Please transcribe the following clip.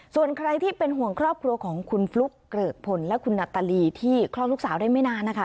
ส่วนใครที่เป็นห่วงครอบครัวของคุณฟลุ๊กเกริกผลและคุณนาตาลีที่คลอดลูกสาวได้ไม่นานนะคะ